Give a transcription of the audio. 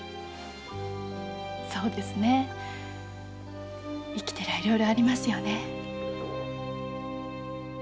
そうですね生きてりゃいろいろありますよね。